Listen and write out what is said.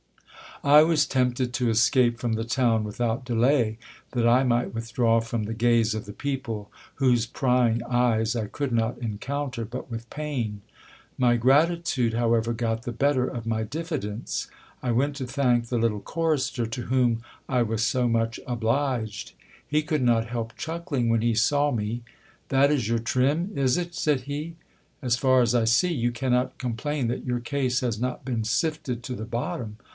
I was tempted to escape from the town without delay, that I might withdraw from the gaze of the peo ple, whose prying eyes I could not encounter but with pain. My gratitude, however, got the better of my diffidence. I went to thank the little chorister, to whom I was so much obliged. He could not help chuckling when he saw me. That is your trim, is it ? said he. As far as I see, you cannot complain that your case has not been sifted to the bottom.